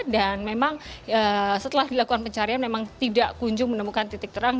dan memang setelah dilakukan pencarian memang tidak kunjung menemukan titik terang